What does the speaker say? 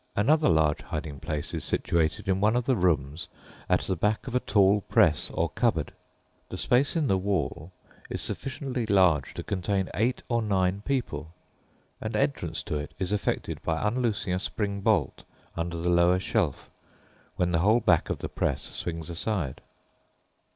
Another large hiding place is situated in one of the rooms at the back of a tall press or cupboard. The space in the wall is sufficiently large to contain eight or nine people, and entrance to it is effected by unloosing a spring bolt under the lower shelf, when the whole back of the press swings aside.